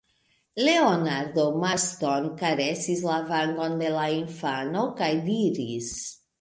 Leonardo Marston karesis la vangon de la infano kaj diris: